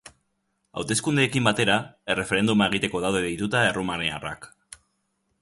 Hauteskudeekin batera, erreferenduma egiteko daude deituta errumaniarrak.